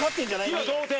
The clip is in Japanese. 今同点。